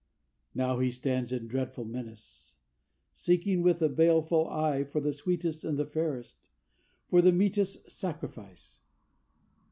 Now he stands in dreadful menace, seeking with a baleful eye For the sweetest and the fairest for the meetest sacrifice.